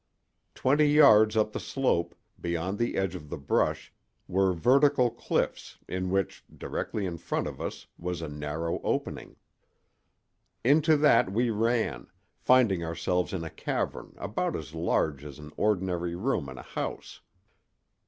Twenty yards up the slope, beyond the edge of the brush, were vertical cliffs, in which, directly in front of us, was a narrow opening. Into that we ran, finding ourselves in a cavern about as large as an ordinary room in a house.